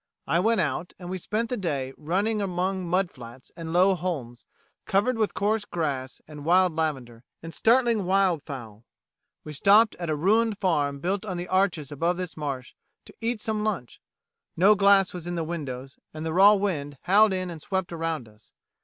I went out, and we spent the day running among mud flats and low holms, covered with coarse grass and wild lavender, and startling wild fowl. We stopped at a ruined farm built on arches above this marsh to eat some lunch; no glass was in the windows, and the raw wind howled in and swept around us.